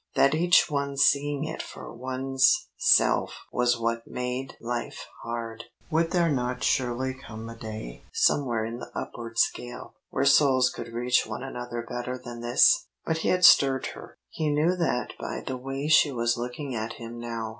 That each one's seeing it for one's self was what made life hard. Would there not surely come a day, somewhere in the upward scale, where souls could reach one another better than this? But he had stirred her; he knew that by the way she was looking at him now.